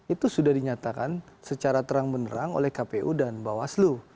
itu sudah dinyatakan secara terang benerang oleh kpu dan bawaslu